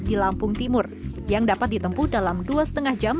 di lampung timur yang dapat ditempuh dalam dua lima jam